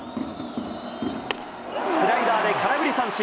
スライダーで空振り三振。